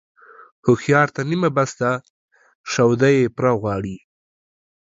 هوښيار ته نيمه بس ده ، شوده يې پوره غواړي.